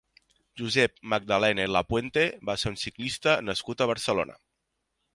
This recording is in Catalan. Josep Magdalena i Lapuente va ser un ciclista nascut a Barcelona.